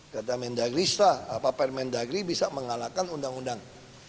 kata mendagri sah apakah mendagri bisa mengalahkan undang undang